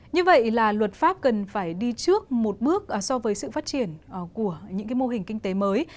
như vậy là luật pháp cần phải đi trước một bước so với sự phát triển của những mô hình kinh tế mới